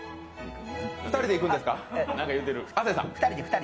２人でいくんですか？